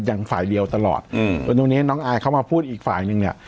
อย่างฝ่ายเดียวตลอดอืมวันนี้น้องอายเขามาพูดอีกฝ่ายนึงเนี่ย